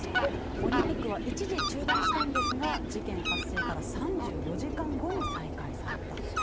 オリンピックは一時中断したんですが事件発生から３４時間後に再開されました。